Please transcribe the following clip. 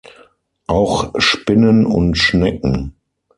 Auch Spinnen und Schnecken.